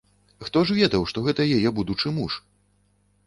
Хто ж ведаў, што гэта яе будучы муж?